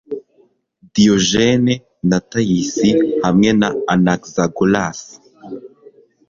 Diogène na Tayisi hamwe na Anaxagoras